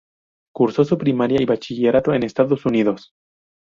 Cursó su primaria y bachillerato en Estados Unidos.